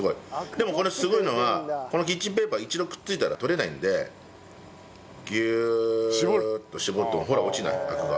でもこれすごいのはこのキッチンペーパー一度くっついたら取れないんでギューッと絞ってもほら落ちないアクが。